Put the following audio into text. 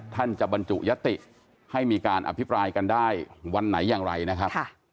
ท่านจะบรรจุยติให้มีการอภิปรายกันได้วันไหนอย่างไรนะครับ